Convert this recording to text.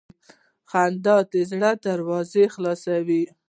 • خندا د زړه دروازه خلاصوي.